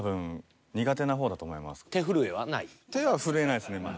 多分手は震えないですねまだ。